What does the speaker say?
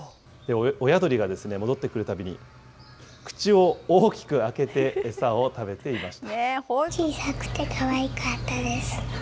親鳥が戻ってくるたびに口を大きく開けて、餌を食べていました。